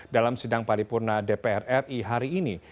dalam sidang paripurna dpr ri hari ini